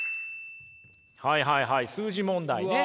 はいはいはい数字問題ね。